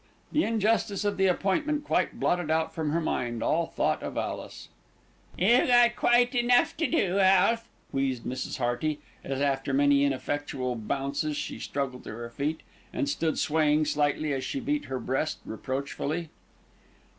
The injustice of the appointment quite blotted out from her mind all thought of Alice. "You got quite enough to do, Alf," wheezed Mrs. Hearty as, after many ineffectual bounces, she struggled to her feet, and stood swaying slightly as she beat her breast reproachfully.